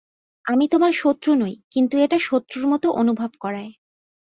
আমি তোমার শত্রু নই, কিন্তু এটা শত্রুর মতো অনুভব করায়।